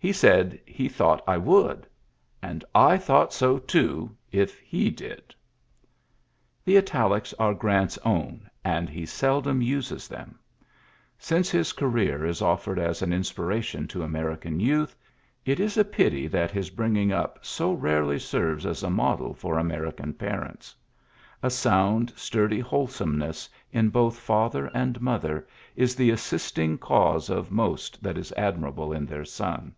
He said he thought I would; and I thought so, toOy if he did.^^ The Italics are Grant's own, and he seldom uses them. Since his career is oflfered as an inspiration to American youth, it is a pity that his bringing up so rarely serves as a model for American parents. A sound, sturdy wholesomeness in both father and mother is the assisting cause of most that was admirable in their son.